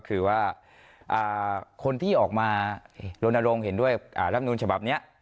คือว่าคนที่ออกมารณรงค์เห็นด้วยร่ำนูนฉบับเนี่ย